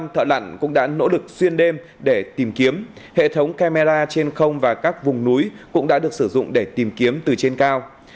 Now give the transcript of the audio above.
một mươi năm thợ nạn cũng đã nỗ lực xuyên đêm để tìm kiếm hệ thống camera trên không và các vùng núi cũng đã được sử dụng để tìm kiếm từ trên cao